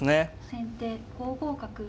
先手５五角。